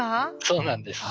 そうなんです。